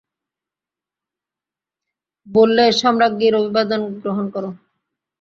বললে, সম্রাজ্ঞীর আভিবাদন গ্রহণ করো।